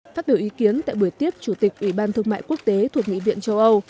phát biểu ý kiến tại buổi tiếp chủ tịch ủy ban thương mại quốc tế thuộc nghị viện châu âu